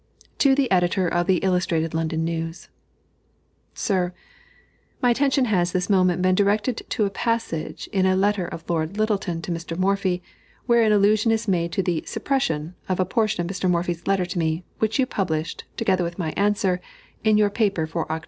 To the Editor of the Illustrated London News: SIR, My attention has this moment been directed to a passage in a letter of Lord Lyttelton to Mr. Morphy, wherein allusion is made to the "suppression" of a portion of Mr. Morphy's letter to me, which you published, together with my answer, in your paper for Oct.